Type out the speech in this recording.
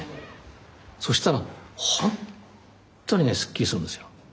そしたらほんとにねすっきりするんですよ。